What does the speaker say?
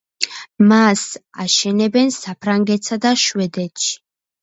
მას აშენებენ საფრანგეთსა და შვედეთში.